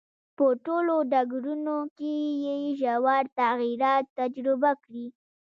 په ټولو ډګرونو کې یې ژور تغییرات تجربه کړي.